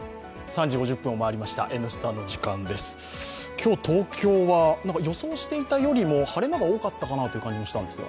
今日、東京は予想していたよりも晴れ間が多かったかなという感じもしたんですが。